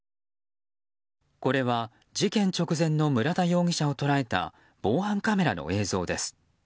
これは事件直前の村田容疑者を捉えた防犯カメラの映像です。